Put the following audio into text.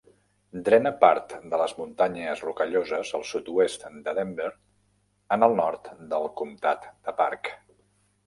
Drena part de les Muntanyes Rocalloses al sud-oest de Denver en el nord del comtat de Park.